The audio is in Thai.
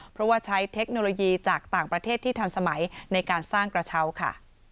เพราะว่าใช้เทคโนโลยีจากต่างประเทศที่ทันสมัยในการสร้างกระเช้าค่ะ